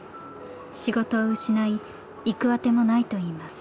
仕事を失い行く当てもないといいます。